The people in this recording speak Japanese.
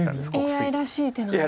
ＡＩらしい手なんですか。